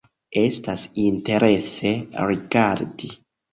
Estas interese rigardi.